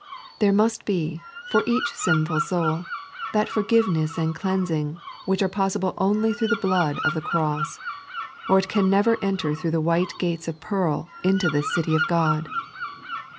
There must be, for each sinful soul, that forgiveness and cleansing which are possible only through the blood of the Cross, or it can never enter through the white gates of pearl into this city of Ood.